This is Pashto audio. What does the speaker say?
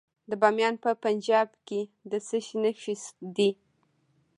د بامیان په پنجاب کې د څه شي نښې دي؟